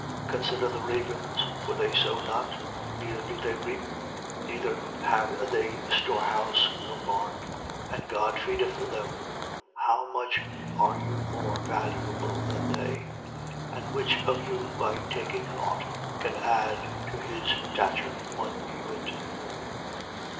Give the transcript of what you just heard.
12:24. Consider the ravens, for they sow not, neither do they reap, neither have they storehouse nor barn, and God feedeth them. How much are you more valuable than they? 12:25. And which of you by taking thought can add to his stature one cubit?